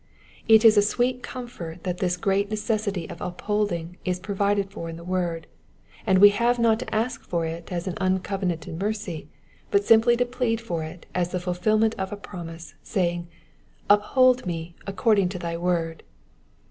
It is a sweet comfort that this great necessity of upholding is provided for in the word, and we have not to ask for it as for an uncovenanted mercy, but simply to plead for the fulfilment of a promise, saying, Uphold me according to thy word.